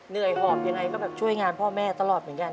หอบยังไงก็แบบช่วยงานพ่อแม่ตลอดเหมือนกัน